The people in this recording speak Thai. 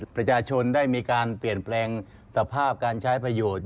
ประชาชนได้มีการเปลี่ยนแปลงสภาพการใช้ประโยชน์